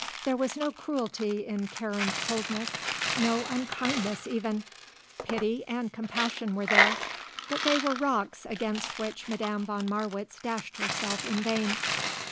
There was no cruelty in Karen's coldness, no unkindness even. Pity and comprehension were there; but they were rocks against which Madame von Marwitz dashed herself in vain.